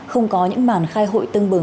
không có những màn khai hội